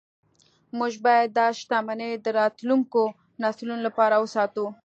موږ باید دا شتمني د راتلونکو نسلونو لپاره وساتو